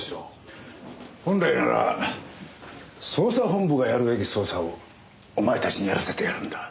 本来なら捜査本部がやるべき捜査をお前たちにやらせてやるんだ。